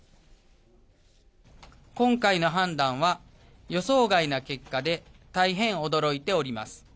今回の判断は、予想外な結果で、大変驚いております。